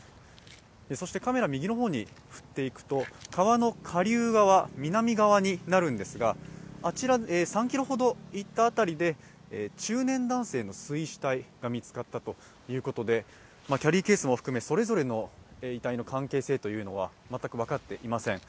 そして、カメラを右に振っていくと川の下流側、南側になるんですが、あちら３ｋｍほど行った辺りで中年男性の水死体が見つかったということでキャリーケースも含め、それぞれの遺体の関係性は全く分かっていません。